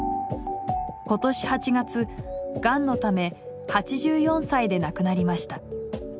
今年８月がんのため８４歳で亡くなりました。